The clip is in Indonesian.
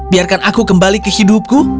biarkan aku kembali ke hidupku